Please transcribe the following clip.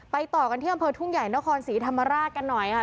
ต่อกันที่อำเภอทุ่งใหญ่นครศรีธรรมราชกันหน่อยค่ะ